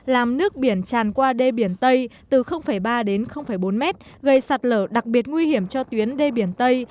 làm nước biển tràn qua đê biển tây từ ba đến bốn mét gây sạt lở đặc biệt nguy hiểm cho tuyến đê biển tây